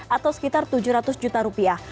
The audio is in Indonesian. atau sekitar tujuh ratus juta rupiah